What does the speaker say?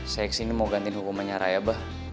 saya ke sini mau gantiin hukumannya raya abah